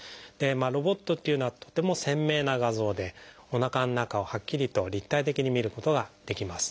ロボットっていうのはとても鮮明な画像でおなかの中をはっきりと立体的にみることができます。